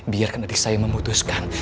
biarkan adik saya memutuskan